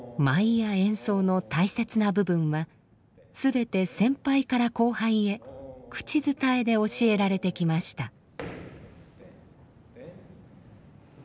舞や演奏の大切な部分は全て先輩から後輩へ口伝えで教えられてきました。